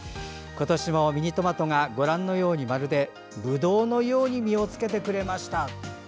今年もミニトマトがご覧のようにまるで、ぶどうのように実をつけてくれました。